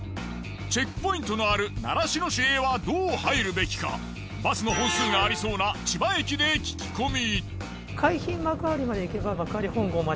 チェックポイントのある習志野市へはどう入るべきかバスの本数がありそうな千葉駅で聞き込み。